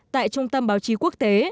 tại trung tâm báo chí quốc tế